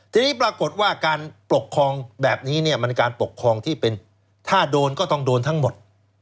ทีนี้ปรากฏว่าการปกครองแบบนี้เนี่ยมันการปกครองที่เป็นถ้าโดนก็ต้องโดนทั้งหมด